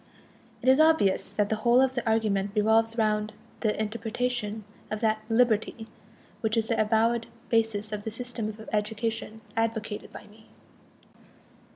It is obvious that the whole of the argument revolves round the interpretation of that "liberty" which is the avowed basis of the system of education advocated by me.